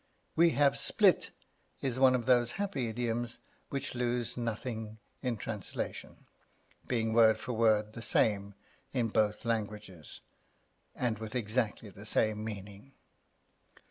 We have split is one of those happy idioms which lose nothing in translation, being word for word the same in both languages, and with exactly the same meaning.